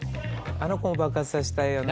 あの子も爆発さしたいよね。